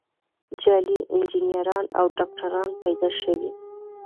جعلي انجینران او ډاکتران پیدا شوي.